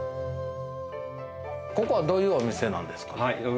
ここはどういうお店なんですか？